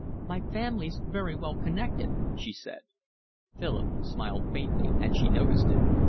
"My family's very well connected," she said. Philip smiled faintly, and she noticed it.